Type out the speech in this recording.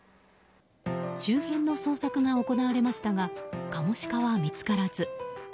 周辺の捜索が行われましたがカモシカは見つからず。